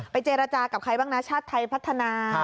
เจรจากับใครบ้างนะชาติไทยพัฒนา